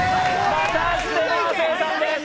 またしても亜生さんです！